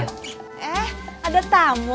iya pak ini ada tamu